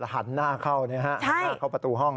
หันหน้าเข้าเข้าประตูห้อง